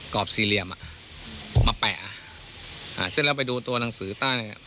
รอบสี่เหลี่ยมอ่ะมาแปะอ่าซึ่งเราไปดูตัวหนังสือใต้เนี่ย